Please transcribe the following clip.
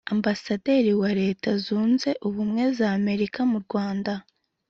Ambasaderi wa Leta Zunze Ubumwe za Amerika mu Rwanda